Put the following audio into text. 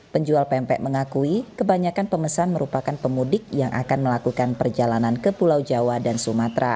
penjual pempek mengakui kebanyakan pemesan merupakan pemudik yang akan melakukan perjalanan ke pulau jawa dan sumatera